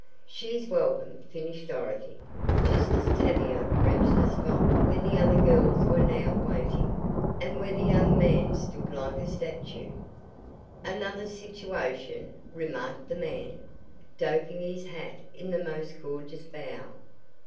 "She's welcome," finished Dorothy, just as Tavia reached the spot where the other girls were now waiting, and where the young man stood like a statue. "Another situation?" remarked the man, doffing his hat in the most gorgeous bow.